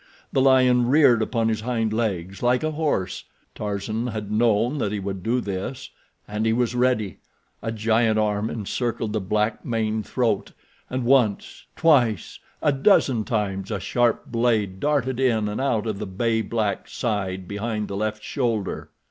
The lion reared upon his hind legs like a horse—Tarzan had known that he would do this, and he was ready. A giant arm encircled the black maned throat, and once, twice, a dozen times a sharp blade darted in and out of the bay black side behind the left shoulder.